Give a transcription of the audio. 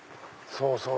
そうそう！